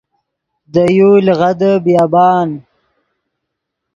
دے یو لیغدے بیابان